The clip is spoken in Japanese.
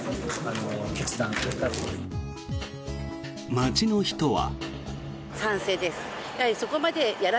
街の人は。